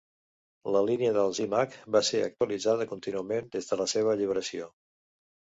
La línia dels iMac va ser actualitzada contínuament des de la seva alliberació.